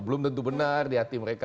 belum tentu benar di hati mereka